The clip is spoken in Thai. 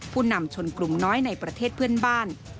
ผู้นำชนกลุ่มน้อยในประเทศเพื่อนบ้าน